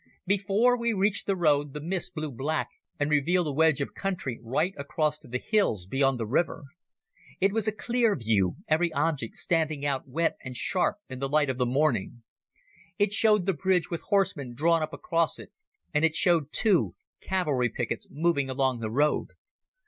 Before we reached the road the mist blew back and revealed a wedge of country right across to the hills beyond the river. It was a clear view, every object standing out wet and sharp in the light of morning. It showed the bridge with horsemen drawn up across it, and it showed, too, cavalry pickets moving along the road.